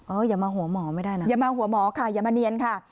อย่ามาหัวหมอไม่ได้นะอย่ามาหัวหมอค่ะอย่ามาเนียนค่ะ